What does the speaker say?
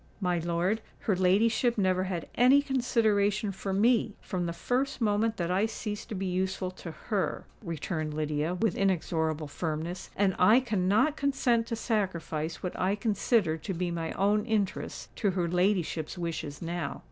"My lord, her ladyship never had any consideration for me, from the first moment that I ceased to be useful to her," returned Lydia, with inexorable firmness; "and I cannot consent to sacrifice what I consider to be my own interests to her ladyship's wishes now."